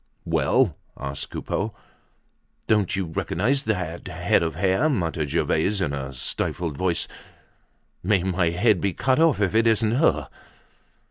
"Well?" asked Coupeau. "Don't you recognize that head of hair?" muttered Gervaise in a stifled voice. "May my head be cut off if it isn't her."